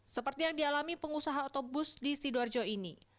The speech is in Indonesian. seperti yang dialami pengusaha otobus di sidoarjo ini